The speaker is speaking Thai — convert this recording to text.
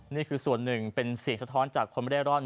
นี่คือส่วนหนึ่งเป็นเสียงสะท้อนจากคนไม่ได้ร่อน